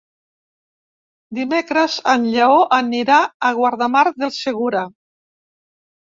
Dimecres en Lleó anirà a Guardamar del Segura.